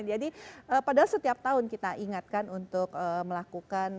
jadi padahal setiap tahun kita ingatkan untuk melakukan